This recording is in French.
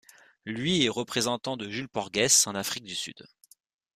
Lui est représentant de Jules Porgès en Afrique du Sud.